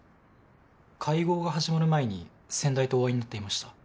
会合が始まる前に先代とお会いになっていました。